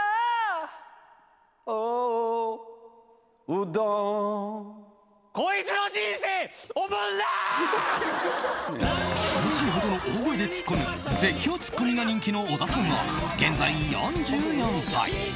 うるさいほどの大声でツッコむ絶叫ツッコミが人気の小田さんは現在４４歳。